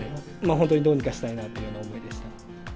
本当にどうにかしたいなという思いでした。